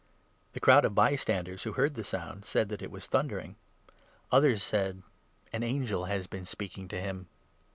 The crowd of bystanders, who heard the sound, said that 29 it was thundering. Others said: "An angel has been speaking to him."